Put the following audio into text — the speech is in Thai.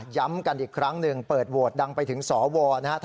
ย้ำกันอีกครั้งหนึ่งเปิดโหวตดังไปถึงสวนะฮะ